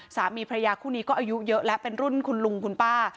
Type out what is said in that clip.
สามีพระยาคู่นี้ก็อายุเยอะแล้วเป็นรุ่นคุณลุงคุณป้า